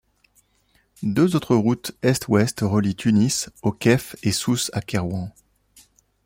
Deux autres routes est-ouest relient Tunis au Kef et Sousse à Kairouan.